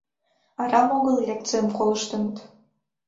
Арам огыл лекцийым колыштыныт.